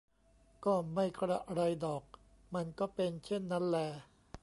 ก็ไม่กระไรดอก มันก็เป็นเช่นนั้นแล